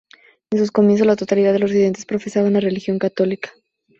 En sus comienzos, la totalidad de los residentes profesaban la religión católica.